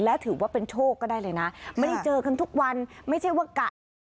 และถือว่าเป็นโชคก็ได้เลยนะไม่ได้เจอกันทุกวันไม่ใช่ว่ากะนะ